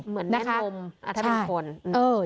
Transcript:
เหมือนแม่มุมอาทิตย์เป็นคน